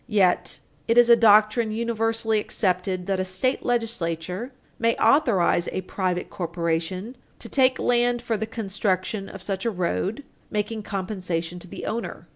Yet it is a doctrine universally accepted that a state legislature may authorize a private corporation to take land for the construction of such a road, making compensation to the owner.